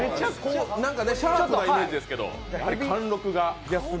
シャープなイメージですけど、貫禄が。